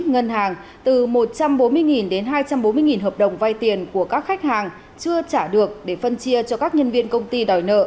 ngân hàng từ một trăm bốn mươi đến hai trăm bốn mươi hợp đồng vay tiền của các khách hàng chưa trả được để phân chia cho các nhân viên công ty đòi nợ